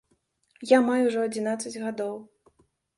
Я маю ўжо адзінаццаць гадоў.